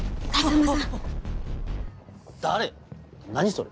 それ。